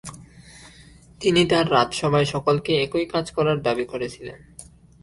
তিনি তার রাজসভায় সকলকে একই কাজ করার দাবী করেছিলেন।